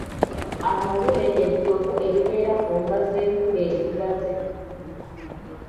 Amalule ly'ejjovu eribeera ku nva z'entula ezigaze.